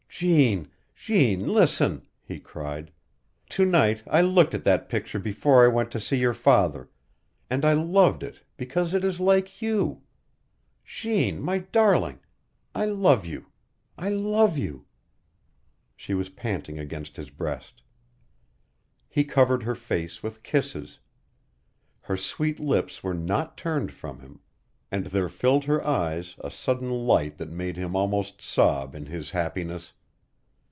"Jeanne Jeanne listen," he cried. "To night I looked at that picture before I went to see your father, and I loved it because it is like you. Jeanne, my darling, I love you I love you " She was panting against his breast. He covered her face with kisses. Her sweet lips were not turned from him, and there filled her eyes a sudden light that made him almost sob in his happiness.